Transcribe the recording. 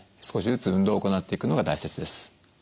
少しずつ運動を行っていくのが大切です。